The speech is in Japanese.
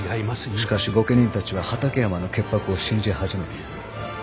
しかし御家人たちは畠山の潔白を信じ始めている。